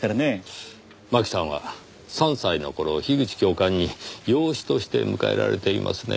真紀さんは３歳の頃樋口教官に養子として迎えられていますね。